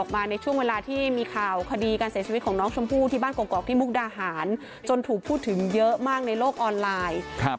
มาในช่วงเวลาที่มีข่าวคดีการเสียชีวิตของน้องชมพู่ที่บ้านกรกที่มุกดาหารจนถูกพูดถึงเยอะมากในโลกออนไลน์